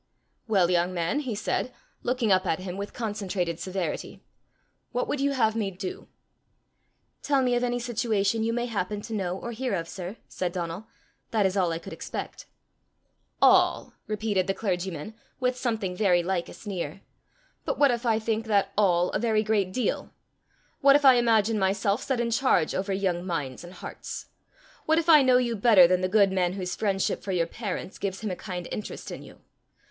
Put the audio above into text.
"Well, young man," he said, looking up at him with concentrated severity, "what would you have me do?" "Tell me of any situation you may happen to know or hear of, sir," said Donal. "That is all I could expect." "All!" repeated the clergyman, with something very like a sneer; " but what if I think that all a very great deal? What if I imagine myself set in charge over young minds and hearts? What if I know you better than the good man whose friendship for your parents gives him a kind interest in you?